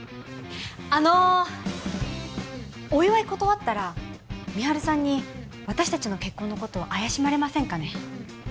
あのお祝い断ったら美晴さんに私達の結婚のこと怪しまれませんかね？